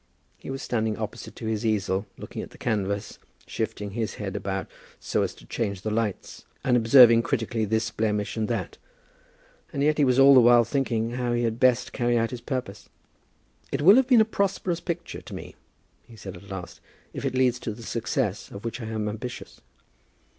He was standing opposite to his easel, looking at the canvas, shifting his head about so as to change the lights, and observing critically this blemish and that; and yet he was all the while thinking how he had best carry out his purpose. "It will have been a prosperous picture to me," he said at last, "if it leads to the success of which I am ambitious."